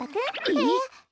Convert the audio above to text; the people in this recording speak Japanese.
えっ？